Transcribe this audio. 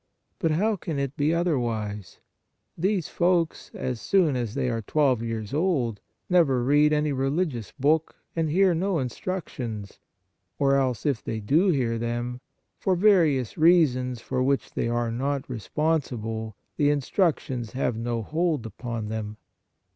But how can it be otherwise ? These folks, as soon as they are twelve years old, never read any religious book and hear no instructions, or else, if they do hear them, for various reasons for which they are not responsible, the instructions have no hold upon them.